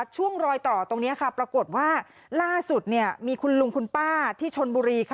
ช่วงรอยต่อตรงนี้ปรากฏว่าล่าสุดมีคุณลุงคุณป้าที่ชนบุรี